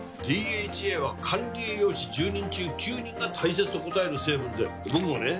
ＤＨＡは管理栄養士１０人中９人が大切と答える成分で僕もね